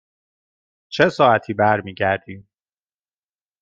چه ساعتی برمی گردیم؟